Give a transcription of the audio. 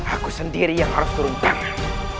aku sendiri yang harus turun tangan